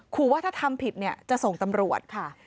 ว่าถ้าทำผิดจะส่งตำรวจค่ะ